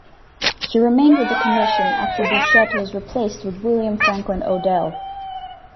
He remained with the commission after Bouchette was replaced with William Franklin Odell.